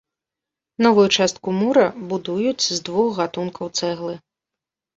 Новую частку мура будуюць з двух гатункаў цэглы.